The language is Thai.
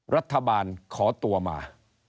รัฐบาลขอตัวมา